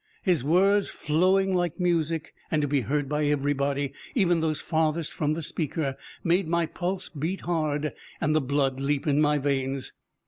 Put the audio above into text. His words flowing like music and to be heard by everybody, even those farthest from the speaker, made my pulse beat hard, and the blood leap in my veins.